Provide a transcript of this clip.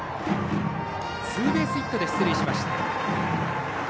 ツーベースヒットで出塁しました。